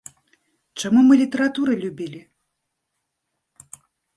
Чаму мы літаратуры любілі?